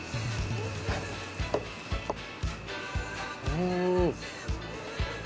うん。